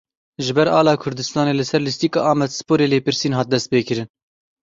Ji ber Ala Kurdistanê li ser lîstika Amedsporê lêpirsîn hat destpêkirin.